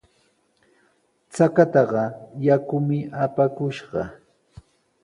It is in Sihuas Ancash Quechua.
Chataqa yakumi apakushqa.